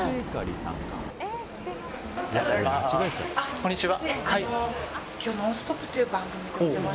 こんにちは。